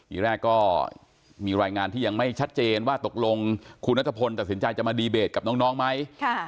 อีกแรกก็มีรายงานที่ยังไม่ชัดเจนว่าตกลงคุณนัทพลตัดสินใจจะมาดีเบตกับน้องไหม